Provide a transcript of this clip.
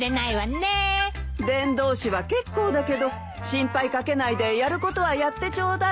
伝道師は結構だけど心配掛けないでやることはやってちょうだいよ。